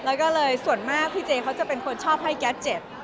แล้วก็เลยส่วนมากพี่เจเขาจะเป็นคนชอบให้แก๊สเจ็บ